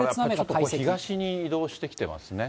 東へ移動してきてますね。